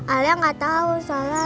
alia gak tau salah